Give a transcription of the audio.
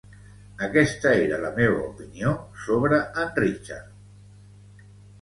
Aquesta era la meva opinió sobre en Richard.